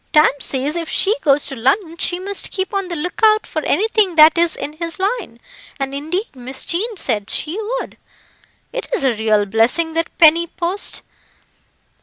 Tam says if she goes to London she must keep on the look out for anything that is in his line, and indeed Miss Jean said she would. It is a real blessing that penny post.